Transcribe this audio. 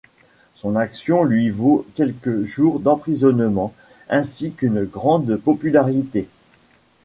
Son action lui vaut quelques jours d'emprisonnement, ainsi qu'une grande popularité.